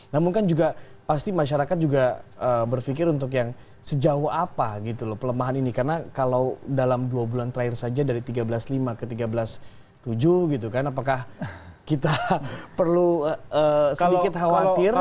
namun kan juga pasti masyarakat juga berpikir untuk yang sejauh apa gitu loh pelemahan ini karena kalau dalam dua bulan terakhir saja dari tiga belas lima ke tiga belas tujuh gitu kan apakah kita perlu sedikit khawatir